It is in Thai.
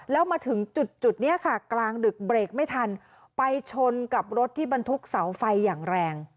แล้วมาถึงจุดนี้ค่ะกลางดึกเบรกไม่ทันไปชนกับรถที่บรรทุกเสาไฟอย่างแรง